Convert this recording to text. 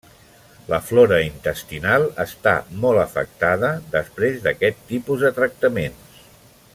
La flora intestinal està molt afectada després d'aquest tipus de tractaments.